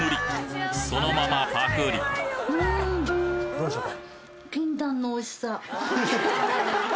どうでしょうか。